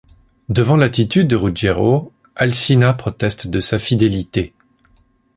Devant l'attitude de Ruggiero, Alcina proteste de sa fidélité.